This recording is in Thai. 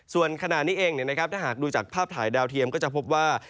ส่วนขณะนี้เองถ้าหากดูจากภาพถ่ายดาวเทียมก็จะพบว่า